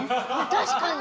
確かに！